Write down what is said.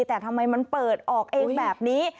แต่ทำไมมันเปิดออกเองแบบนี้